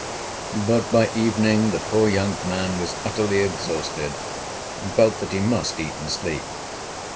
But by evening the poor young man was utterly exhausted, and felt that he must eat and sleep.